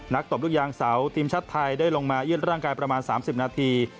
ตบลูกยางเสาทีมชาติไทยได้ลงมายื่นร่างกายประมาณ๓๐นาที